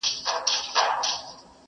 o د خره محبت يا گوز دئ، يا لغته!